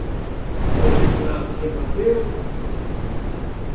Pode entrar sem bater.